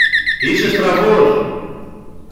Είσαι στραβός!